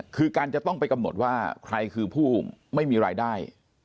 คือการจะต้องไปกำหนดว่าใครคือผู้ไม่มีรายได้